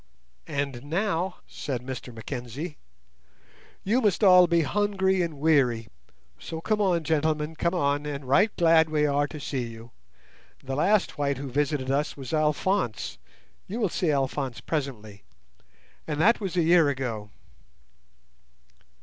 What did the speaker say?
"And now," said Mr Mackenzie, "you must all be hungry and weary; so come on, gentlemen, come on, and right glad we are to see you. The last white who visited us was Alphonse—you will see Alphonse presently—and that was a year ago."